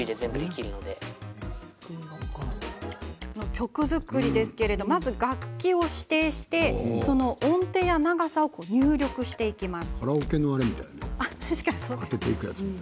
曲作りは、まず楽器を指定してその音程や長さを入力していきます。